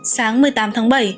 sáng một mươi tám tháng bảy